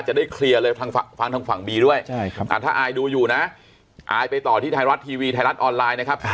จะได้เคลียร์เลยฟังทางฝั่งบีด้วยถ้าอายดูอยู่นะอายไปต่อที่ไทยรัฐทีวีไทยรัฐออนไลน์นะครับ